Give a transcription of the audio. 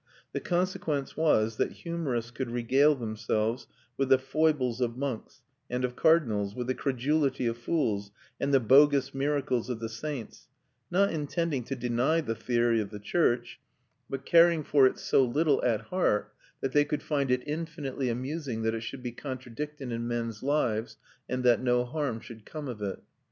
The consequence was that humorists could regale themselves with the foibles of monks and of cardinals, with the credulity of fools, and the bogus miracles of the saints; not intending to deny the theory of the church, but caring for it so little at heart that they could find it infinitely amusing that it should be contradicted in men's lives and that no harm should come of it.